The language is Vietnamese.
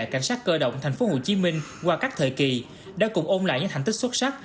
cảnh sát cơ động tp hcm qua các thời kỳ đã cùng ôn lại những thành tích xuất sắc